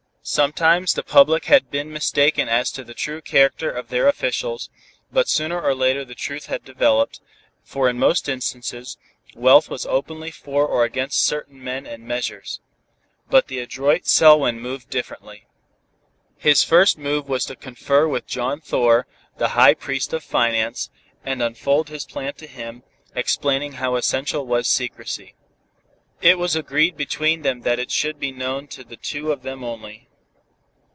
Sometimes the public had been mistaken as to the true character of their officials, but sooner or later the truth had developed, for in most instances, wealth was openly for or against certain men and measures. But the adroit Selwyn moved differently. His first move was to confer with John Thor, the high priest of finance, and unfold his plan to him, explaining how essential was secrecy. It was agreed between them that it should be known to the two of them only.